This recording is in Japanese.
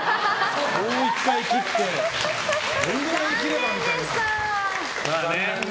もう１回切ってこのぐらい切ればみたいな。